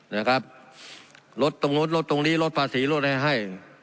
นะครับลดตรงนู้นลดตรงนี้ลดภาษีลดอะไรให้